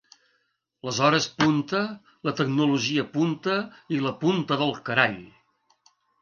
Les hores punta, la tecnologia punta i la punta del carall.